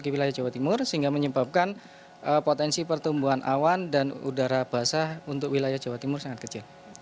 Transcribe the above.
di wilayah jawa timur sehingga menyebabkan potensi pertumbuhan awan dan udara basah untuk wilayah jawa timur sangat kecil